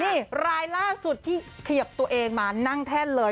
นี่รายล่าสุดที่ขยับตัวเองมานั่งแท่นเลย